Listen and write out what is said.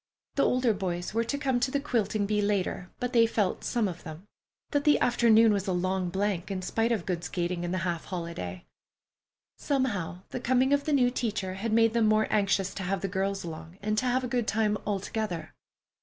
The older boys were to come to the quilting bee later, but they felt—some of them—that the afternoon was a long blank in spite of good skating and the half holiday. Somehow, the coming of the new teacher had made them more anxious to have the girls along and to have a good time all together.